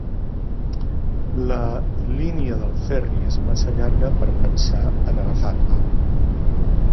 La línia del ferri és massa llarga per pensar en agafar-la.